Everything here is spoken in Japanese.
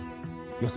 予想